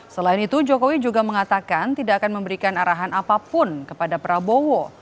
selain itu jokowi juga mengatakan tidak akan memberikan arahan apapun kepada prabowo